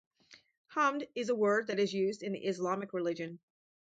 Hamd is a word that is used in the Islamic religion.